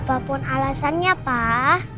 apapun alasannya pak